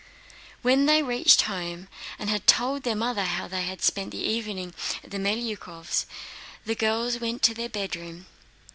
When they reached home and had told their mother how they had spent the evening at the Melyukóvs', the girls went to their bedroom.